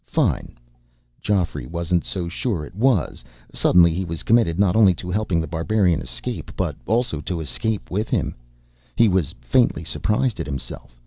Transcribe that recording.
"Fine." Geoffrey wasn't so sure it was. Suddenly he was committed not only to helping The Barbarian escape, but also to escape with him. He was faintly surprised at himself.